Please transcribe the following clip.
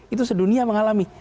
itu sedunia mengalami